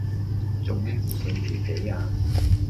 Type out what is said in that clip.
做咩唔信自己呀